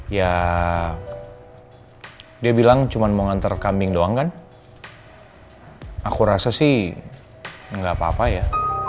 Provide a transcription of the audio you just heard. ya dia bilang cuma mau ngantar kambing doang kan aku rasa sih nggak apa apa ya